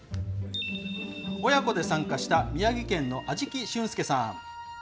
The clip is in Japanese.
親子で参加した宮城県の安食俊介さん。